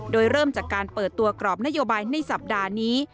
โดยเริ่มจากการเปิดตัวกรอบนโยบายในสัปดาห์นี้